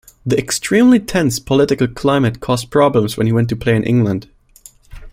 The extremely tense political climate caused problems when he went to play in England.